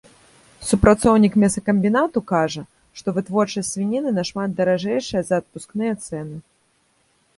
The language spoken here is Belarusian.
Супрацоўнік мясакамбінату кажа, што вытворчасць свініны нашмат даражэйшая за адпускныя цэны.